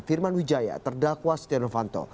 firman wijaya terdakwa setia novanto